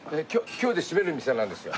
今日で閉める店なんですよ。